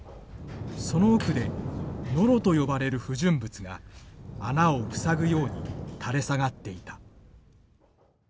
その奥でノロと呼ばれる不純物が穴を塞ぐように垂れ下がっていた。